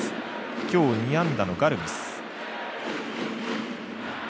今日２安打のガルビス。